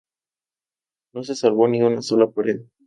No se salvó ni una sola pared.